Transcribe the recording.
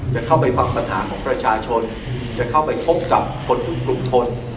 จะเข้าไปฟังปัญหาของประชาชนจะเข้าไปพบกับคนทุกกลุ่มทน